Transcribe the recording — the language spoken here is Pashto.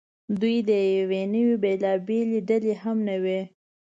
دوی د یوې نوعې بېلابېلې ډلې هم نه وې.